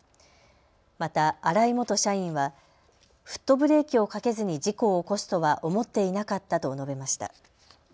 また荒井元社員はフットブレーキをかけずに事故を起こすとは思っていなかったと述べました。